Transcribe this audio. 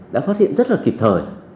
đã phát hiện rất là kịp thời